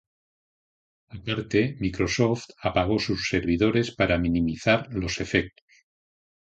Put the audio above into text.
Aparte, Microsoft apagó sus servidores para minimizar los efectos.